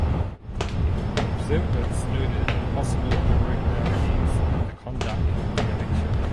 Observers noted possible irregularities in the conduct of the election.